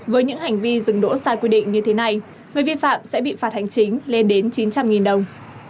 với những hành vi dừng đỗ sai quy định như thế này người vi phạm sẽ bị phạt hành chính lên đến chín trăm linh đồng